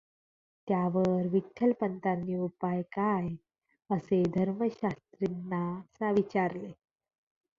त्यावर विठ्ठलपंतांनी उपाय काय असे धर्मशास्त्रींना विचारले.